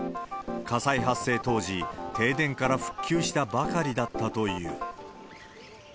火災発生当時、停電から復旧したばかりだったという。